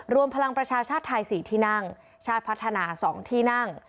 รวมพลังประชาชาติไทย๔ที่นั่งชาติพัฒนา๒ที่นั่ง